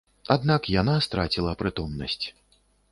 Аднак яна страціла прытомнасць.